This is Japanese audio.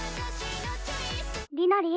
「りなりー」。